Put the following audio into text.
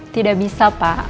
tidak bisa pak